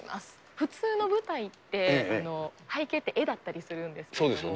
普通の舞台って、背景って、絵だったりするんですよね。